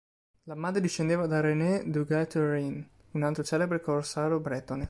La madre discendeva da René Duguay-Trouin, un altro celebre corsaro bretone.